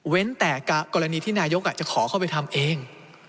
แต่กรณีที่นายกจะขอเข้าไปทำเอง